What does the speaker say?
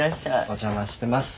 お邪魔してます。